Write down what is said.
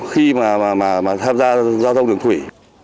khi mà tham gia giao thông đường thủy